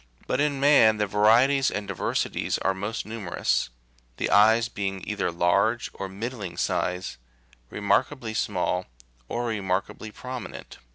But in man the varieties and diversities are most numerous ; the eyes being either large, of middling size, re markably small, or remarkably prominent.